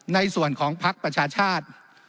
ในส่วนของภักดิ์ประชาชาติ